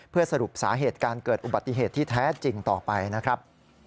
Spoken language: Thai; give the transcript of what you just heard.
เพื่อสรุปสาเหตุการเกิดอุบัติเหตุที่แท้จริงต่อไปนะครับ